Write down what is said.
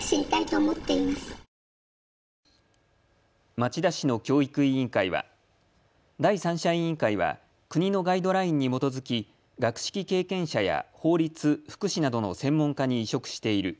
町田市の教育委員会は第三者委員会は国のガイドラインに基づき学識経験者や法律、福祉などの専門家に委嘱している。